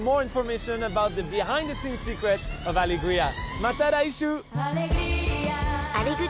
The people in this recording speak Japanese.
また来週。